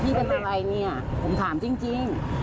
ไม่เป็นไรเนี่ยผมถามจริง